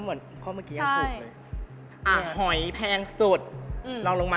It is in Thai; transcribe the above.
เหมือนข้อเมื่อกี้ยังถูก